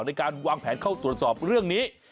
ในการวางแผนเข้าตรวจสอบเรื่องนี้